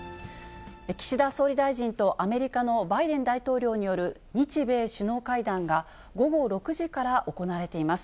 岸田総理大臣とアメリカのバイデン大統領による日米首脳会談が、午後６時から行われています。